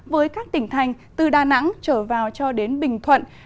với các tỉnh thành từ đà nẵng trở vào cho đến bình thuận